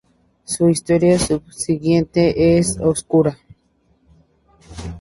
Su historia subsiguiente es oscura.